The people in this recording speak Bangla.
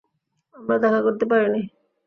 আমরা দেখা করতে পারিনি।